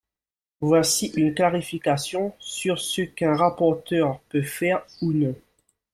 Voici une clarification sur ce qu’un rapporteur peut faire ou non.